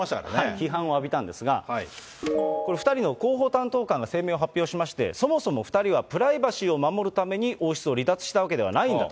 批判を浴びたんですが、これ、２人の広報担当者が声明を発表しまして、そもそも２人は、プライバシーを守るために、王室を離脱したわけではないんだと。